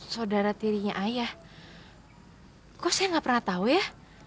sudara tirinya ayah kok saya nggak pernah tahu ya